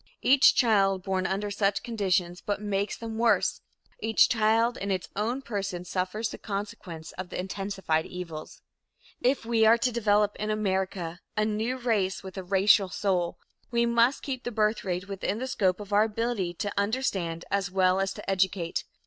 Each child born under such conditions but makes them worse each child in its own person suffers the consequence of the intensified evils. If we are to develop in America a new race with a racial soul, we must keep the birth rate within the scope of our ability to understand as well as to educate.